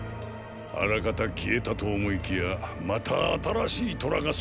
あらかた消えたと思いきやまた新しい“虎”が育っておる。